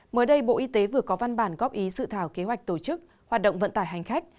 mới đây bộ y tế vừa có văn bản góp ý sự thảo kế hoạch tổ chức hoạt động vận tải hành khách